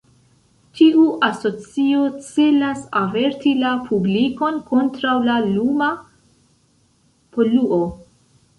Tiu asocio celas averti la publikon kontraŭ la luma poluo.